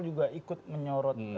juga ikut menyorot